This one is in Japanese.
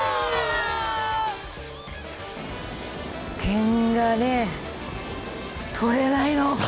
点が取れないの。